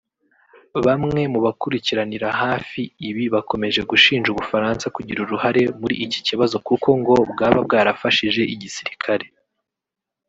bamwe mu bakurikranira hafi ibi bakomeje gushinja ubufaransa kugira uruhare muri iki kibazo kuko ngo bwaba bwarafashije igisirikare